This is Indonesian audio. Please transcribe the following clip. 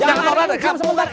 jangan ini cium sementara